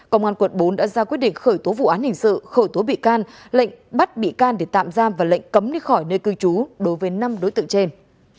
công an quận bốn đã ra quyết định khởi tố vụ án hình sự khởi tố bị can lệnh bắt bị can để tạm giam và lệnh cấm đi khỏi nơi cư trú đối với năm đối tượng trên